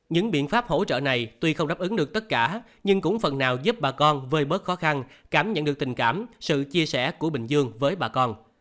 những biện pháp hỗ trợ này tuy không đáp ứng được tất cả nhưng cũng phần nào giúp bà con vơi bớt khó khăn cảm nhận được tình cảm sự chia sẻ của bình dương với bà con